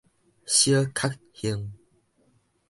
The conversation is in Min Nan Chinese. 小確幸